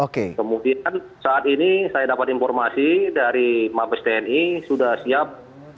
kemudian saat ini saya dapat informasi dari mabes tni sudah siap